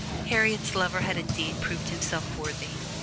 Harriet's lover had indeed proved himself worthy.